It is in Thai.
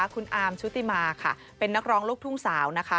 คุณอาร์มชุติมาค่ะเป็นนักร้องลูกทุ่งสาวนะคะ